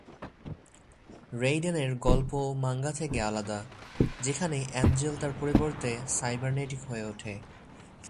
রেইডেনের গল্প মাঙ্গা থেকে আলাদা, যেখানে এঞ্জেল তার পরিবর্তে সাইবারনেটিক হয়ে ওঠে।